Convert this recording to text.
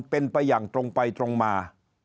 เป็นไปอย่างตรงไปตรงมา